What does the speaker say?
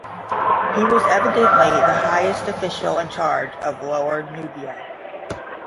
He was evidently the highest official in charge of Lower Nubia.